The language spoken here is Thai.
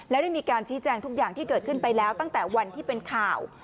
และได้มีการชี้แจงทุกอย่างที่เกิดขึ้นไปแล้วตั้งแต่วันที่เป็นข่าว